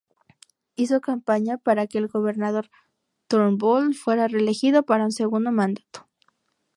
Hizo campaña para que el gobernador Turnbull fuera reelegido para un segundo mandato.